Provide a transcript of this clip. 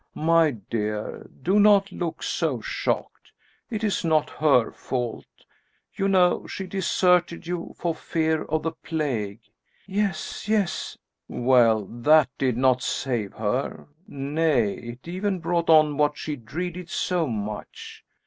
"My dear, do not look so shocked it is not her fault. You know she deserted you for fear of the plague." "Yes, yes!" "Well, that did not save her; nay, it even brought on what she dreaded so much.